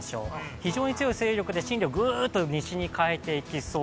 非常に強い勢力で、進路をグッと西に変えていきそう。